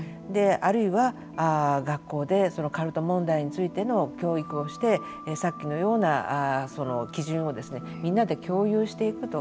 あるいは、学校でカルト問題についての教育をしてさっきのような基準をみんなで共有していくと。